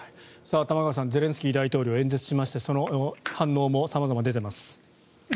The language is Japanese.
玉川さんゼレンスキー大統領演説しましてその反応も様々出ています。